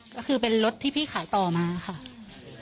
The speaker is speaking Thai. ก็คือเป็นรถที่พี่ขายต่อมาค่ะ